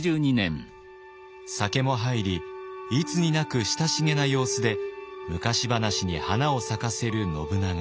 酒も入りいつになく親しげな様子で昔話に花を咲かせる信長。